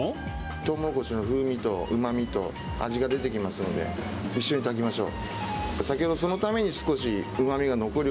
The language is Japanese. とうもろこしの風味とうまみと味が出てきますので、一緒に炊きましょう。